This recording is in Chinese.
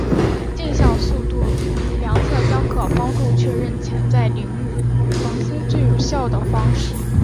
径向速度量测将可帮助确认潜在凌日恒星最有效的方式。